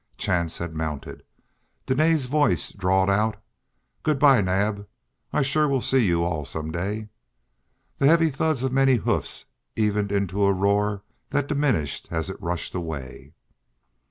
Chance had mounted. Dene's voice drawled out: "Good bye, Naab, I shore will see you all some day." The heavy thuds of many hoofs evened into a roar that diminished as it rushed away.